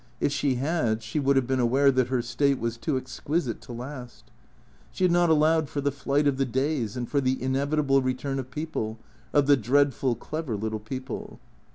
If she had she would have been aware that her state was too exquisite to last. She had not allowed for the flight of the days and for the inevitable return of people, of the dreadful, clever little people.